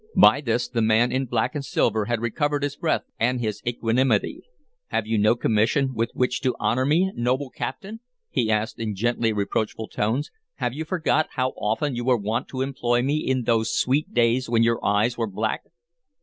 By this the man in black and silver had recovered his breath and his equanimity. "Have you no commission with which to honor me, noble captain?" he asked in gently reproachful tones. "Have you forgot how often you were wont to employ me in those sweet days when your eyes were black?"